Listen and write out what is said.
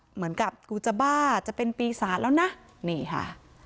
เหมือนกับกูจะบ้าจะเป็นปีศาจแล้วนะนี่ค่ะ